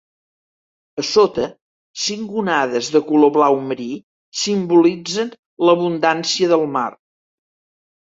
A sota, cinc onades de color blau marí simbolitzen l'abundància del mar.